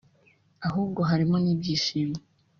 ahubwo harimo n’ibyishimo